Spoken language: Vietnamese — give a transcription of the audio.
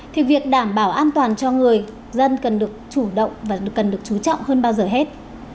thì việc đảm bảo an toàn cho người dân cần được chủ động và cần được chú trọng hơn bao giờ hết